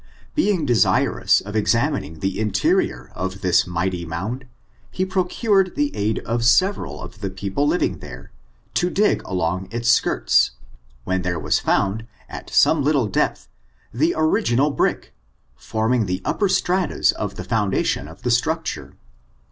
Being desirous of examining the interior of this mighty mound, he procured the aid of several of the people living there, to dig along its skirts, when there was found, at some little depth, the original brick, forming the upper stratas of the foundation of the structure.